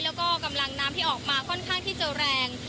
แล้วก็กำลังน้ำที่ออกมาค่อนข้างที่จะแรง